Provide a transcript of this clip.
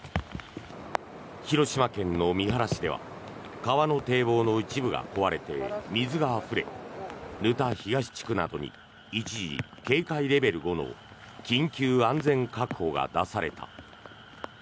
広島県の三原市では川の堤防の一部が壊れて水があふれ沼田東地区などに一時、警戒レベル５の緊急安全確保が出された。